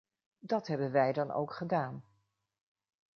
Dat hebben wij dan ook gedaan.